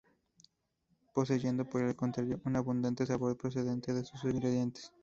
Poseyendo, por el contrario un abundante sabor procedente de sus ingredientes.